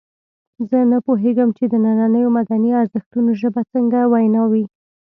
زه نه پوهېږم چې د نننیو مدني ارزښتونو ژبه څنګه وینا وي.